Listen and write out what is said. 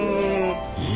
え！